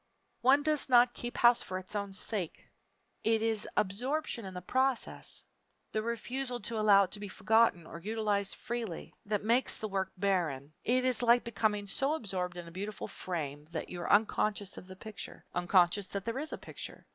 One does not keep house for its own sake. It is absorption in the process the refusal to allow it to be forgotten or utilized freely, that makes the work barren. It is like becoming so absorbed in a beautiful frame that you are unconscious of the picture unconscious that there is a picture.